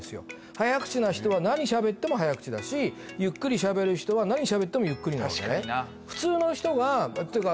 早口な人は何喋っても早口だしゆっくり喋る人は何喋ってもゆっくりなのね普通の人がっていうか